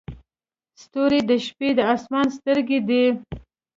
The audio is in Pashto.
ستوري د شپې د اسمان سترګې دي.